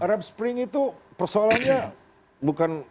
arab spring itu persoalannya bukan